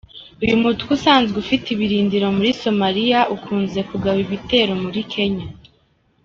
Uyu mutwe usanzwe ufite ibirindiro muri Somalia ukunze kugaba ibitero muri Kenya.